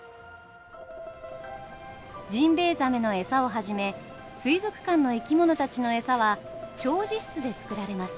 ジンベエザメの餌をはじめ水族館の生き物たちの餌は調餌室で作られます。